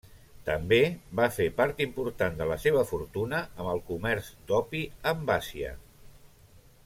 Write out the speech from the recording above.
També va fer part important de la seva fortuna amb el comerç d'opi amb Àsia.